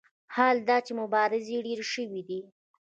حال دا چې مبارزې ډېرې شوې دي.